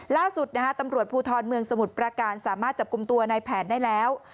ล่าสุดนะฮะตำรวจภูทรเมืองสมุทรประการสามารถจับกลุ่มตัวในแผนได้แล้ว